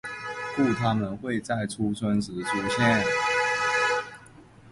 故它们会在初春时出现。